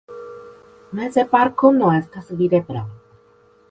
Meze balkono estas videbla.